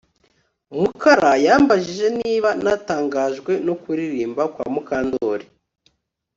Mukara yambajije niba natangajwe no kuririmba kwa Mukandoli